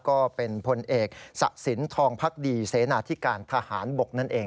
ก็เป็นพลเอกสะสินทองพักดีเสนาธิการทหารบกนั่นเอง